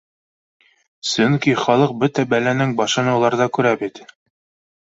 Сөнки ха лыҡ бөтә бәләнең башын уларҙа күрә бит